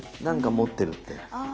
何か持ってるって。